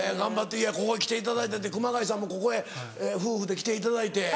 ここへ来ていただいて熊谷さんもここへ夫婦で来ていただいて。